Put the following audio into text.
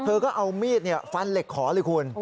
เธอก็เอามีดฟันเหล็กขอเลยคุณ